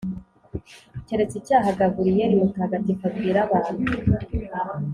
keretse icyaha gaburiyeli mutagatifu abwira abantu